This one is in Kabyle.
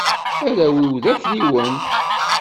Arraw-iw d akniwen.